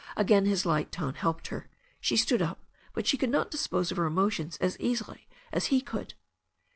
Again his light tone helped her. She stood up, but she could not dispose of her emotions as easily as he could.